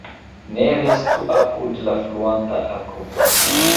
Ne restu apud la fluanta akvo.